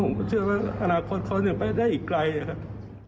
เชื่อว่าอนาคตเขาไม่ได้อีกไกลนะครับ